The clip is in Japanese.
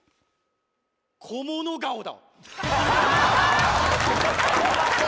小物顔だ。